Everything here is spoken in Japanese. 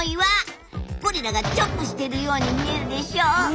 ゴリラがチョップしているように見えるでしょ？